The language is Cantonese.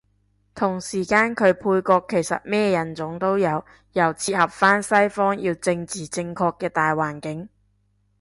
同時間佢配角其實咩人種都有，又切合返西方要政治正確嘅大環境